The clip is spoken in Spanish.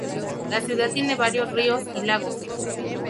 La ciudad tiene varios ríos y lagos.